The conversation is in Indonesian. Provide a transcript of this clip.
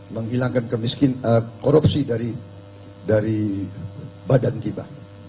menghilangkan kemiskinan korupsi dari badan kita